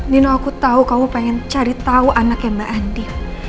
nino aku tahu kamu pengen cari tahu anaknya mbak andi